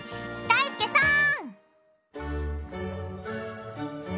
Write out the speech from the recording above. だいすけさん！